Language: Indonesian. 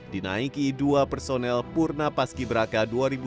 dinaiki dua personel purna paski braka dua ribu dua puluh